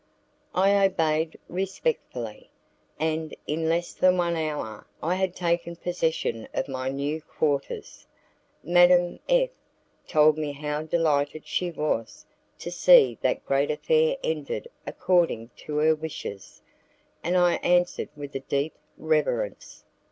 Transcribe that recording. I obeyed respectfully, and in less than one hour I had taken possession of my new quarters. Madame F told me how delighted she was to see that great affair ended according to her wishes, and I answered with a deep reverence.